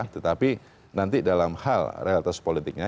tetapi nanti dalam hal realitas politiknya